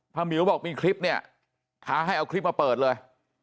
หมิวบอกมีคลิปเนี่ยท้าให้เอาคลิปมาเปิดเลย